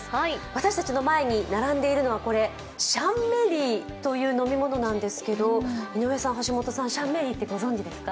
私たちの前に並んでいるのはシャンメリーという飲み物なんですが井上さん、橋本さん、シャンメリーってご存じですか？